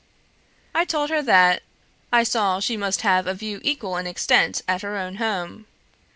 I told her that I saw she must have a view equal in extent at her own home.